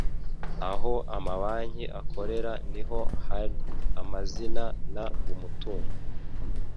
aho amabanki akorera niho har amazina n umutungo